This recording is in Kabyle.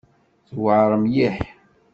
Tuɛeṛ mliḥ.